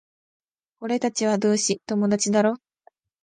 俺たちは同志、友達だろ？